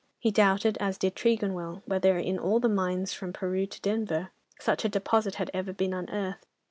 He doubted, as did Tregonwell, whether in all the mines from Peru to Denver such a deposit had ever been unearthed.